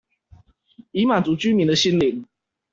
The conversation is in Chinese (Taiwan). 以滿足居民的心靈